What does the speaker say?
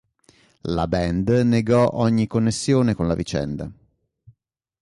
La band negò ogni connessione con la vicenda.